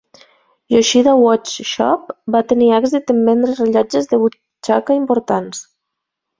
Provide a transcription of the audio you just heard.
Yoshida Watch Shop va tenir èxit, en vendre rellotges de butxaca importats.